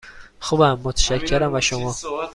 خوبم، متشکرم، و شما؟